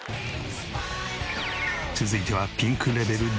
続いてはピンクレベル１０。